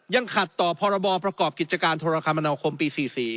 ยังขัดต่อพรบประกอบกิจการโทรคมนาคมปี๔๔